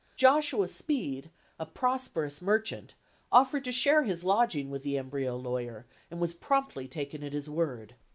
Joshua Speed, a prosperous merchant, offered to share his lodging with the embryo lawyer, and was promptly taken at his word.